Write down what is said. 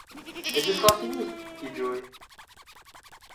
Et ce sera fini ! fit Joe.